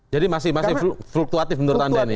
jadi masih masih fluktuatif menurut anda ini ya